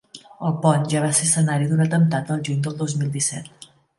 El pont ja va ser escenari d’un atemptat el juny del dos mil disset.